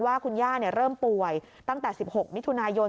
ว่าคุณย่าเริ่มป่วยตั้งแต่๑๖มิถุนายน